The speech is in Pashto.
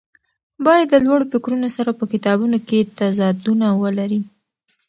باید د لوړو فکرونو سره په کتابونو کې تضادونه ولري.